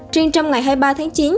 trên trong ngày hai mươi ba tháng chín